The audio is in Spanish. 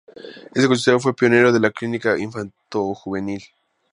Este consultorio fue pionero en la clínica infantojuvenil.